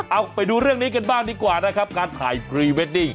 เอาไปดูเรื่องนี้กันบ้างดีกว่านะครับการถ่ายพรีเวดดิ้ง